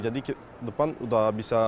jadi depan sudah bisa